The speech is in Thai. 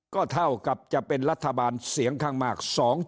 ก็เท่ากับจะเป็นรัฐบาลเสียงข้างมาก